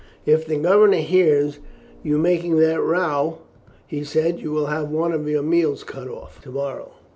"If the governor hears you making that row," he said, "you will have one of your meals cut off to morrow."